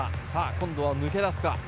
今度は抜け出すか。